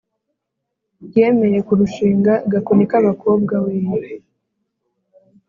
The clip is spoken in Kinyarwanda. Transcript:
yemeye kurushinga gakoni k’abakobwa weee